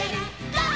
「ゴー！